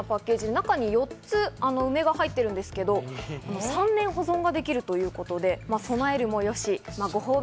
中に４つ梅が入ってるんですけど、３年保存ができるということで、備えるもよし、ご褒美